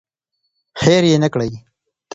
هیر یې نکړئ.